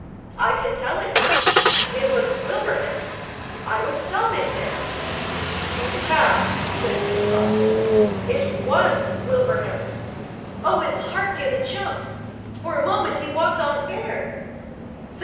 'I can tell it you. It was Wilbraham's. I was stopping there.' 'You pass,' said Mr Prosser. 'It was Wilbraham's.' Owen's heart gave a jump. For a moment he walked on air.